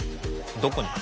どこに？